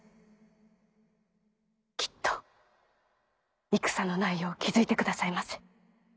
きっと戦のない世を築いてくださいませ。